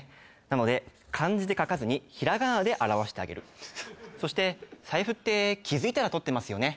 なので漢字で書かずにひらがなで表してあげるそして財布って気づいたらとってますよね